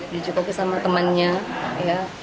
di cikoki sama temannya